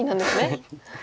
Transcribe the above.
はい。